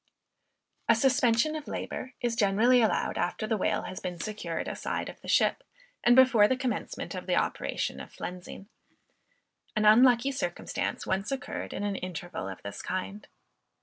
A suspension of labor is generally allowed after the whale has been secured aside of the ship, and before the commencement of the operation of flensing. An unlucky circumstance once occurred in an interval of this kind.